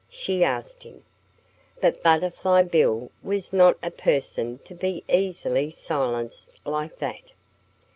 she asked him. But Butterfly Bill was not a person to be easily silenced like that.